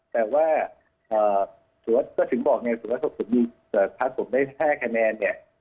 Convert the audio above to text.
แต่ว่าสวทกษ์ก็ถึงบอกไงสวทกษ์ผมได้๕คะแนน